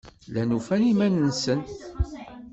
Llan ufan iman-nsen.